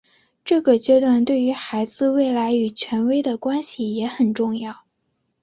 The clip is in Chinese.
这个阶段对于孩子未来与权威的关系也很重要。